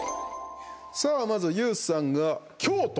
まず、ＹＯＵさんが京都。